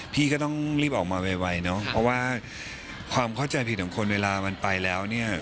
พี่ก็ต้องรีบออกมาไวเนอะเพราะว่าความเข้าใจผิดของคนเวลามันไปแล้วเนี่ย